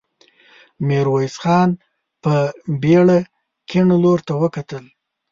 ميرويس خان په بېړه کيڼ لور ته وکتل.